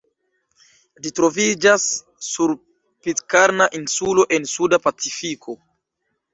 Ĝi troviĝas sur Pitkarna insulo en suda Pacifiko.